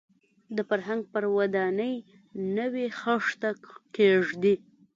د فرهنګ پر ودانۍ نوې خښته کېږدي.